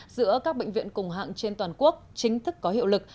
giữa các bệnh viện cùng hạng trên toàn quốc chính thức có hiệu lực